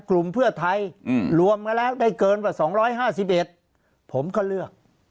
กลุ่มเพื่อไทยรวมกันแล้วได้เกินกว่า๒๕๑ผมก็เลือก